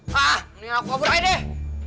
hah mendingan aku kabur aja deh